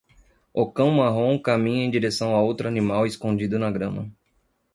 Um cão marrom caminha em direção a outro animal escondido na grama.